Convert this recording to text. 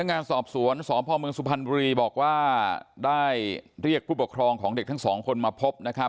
งานสอบสวนสพเมืองสุพรรณบุรีบอกว่าได้เรียกผู้ปกครองของเด็กทั้งสองคนมาพบนะครับ